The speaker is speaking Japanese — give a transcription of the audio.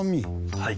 はい。